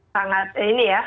sangat ini ya